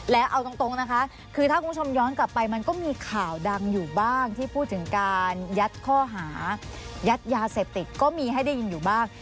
แล้วเอาตรงนะคะคือถ้าคุณผู้ชมย้อนกลับไปมันก็มีข่าวดังอยู่บ้างที่พูดถึงการยัดข้อหายัดยาเสพติดก็มีให้ได้ยินอยู่บ้าง